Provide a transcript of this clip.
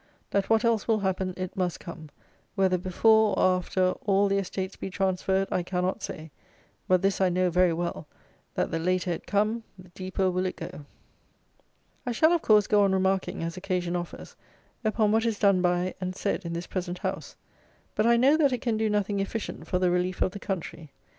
Let what else will happen, it must come. Whether before, or after, all the estates be transferred, I cannot say. But, this I know very well; that the later it come, the deeper will it go. I shall, of course, go on remarking, as occasion offers, upon what is done by and said in this present House; but I know that it can do nothing efficient for the relief of the country.